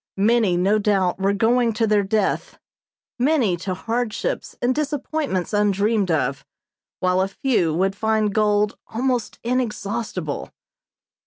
Many, no doubt, were going to their death, many to hardships and disappointments undreamed of, while a few would find gold almost inexhaustible.